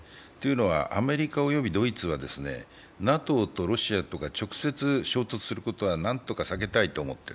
アメリカ及びドイツはＮＡＴＯとロシアが直接衝突することは何とか避けたいと思ってる。